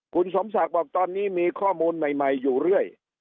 คุณสมศักดิ์บอกตอนนี้มีข้อมูลใหม่อยู่เรื่อย